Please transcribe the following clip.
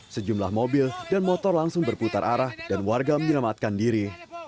sejumlah mobil dan motor langsung berputar arah dan warga menyelamatkan diri